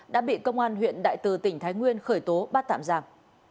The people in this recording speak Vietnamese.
đã bị công an huyện đại từ tỉnh thái nguyên khởi tố bắt tạm giam